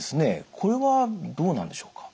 これはどうなんでしょうか。